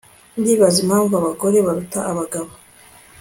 Ndibaza impamvu abagore baruta abagabo